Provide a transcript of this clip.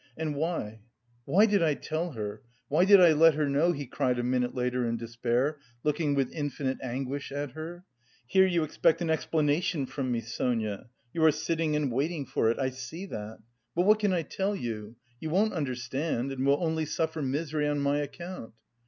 "And why, why did I tell her? Why did I let her know?" he cried a minute later in despair, looking with infinite anguish at her. "Here you expect an explanation from me, Sonia; you are sitting and waiting for it, I see that. But what can I tell you? You won't understand and will only suffer misery... on my account!